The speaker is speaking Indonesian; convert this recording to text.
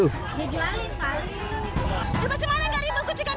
eh bagaimana enggak ribut kucing kami mati